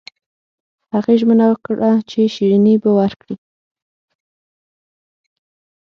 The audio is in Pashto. هغې ژمنه وکړه چې شیریني به ورکړي